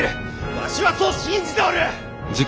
わしはそう信じておる！